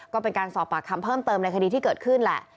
ก็เป็นการสอบปากคำเพิ่มเติมในคดีที่เกิดขึ้นแหละ